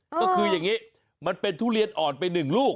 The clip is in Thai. ก็คืออย่างนี้มันเป็นทุเรียนอ่อนไปหนึ่งลูก